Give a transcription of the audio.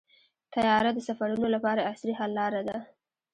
طیاره د سفرونو لپاره عصري حل لاره ده.